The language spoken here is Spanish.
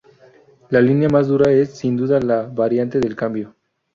La línea más dura es, sin duda, la Variante del cambio.